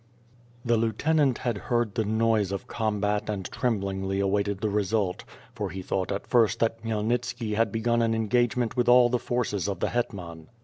The lieutenant had heard the noise of combat and trem blingly awaited the result, for he thought at first that Khmy elnitski had begun an engagement with all the forces of the hetman.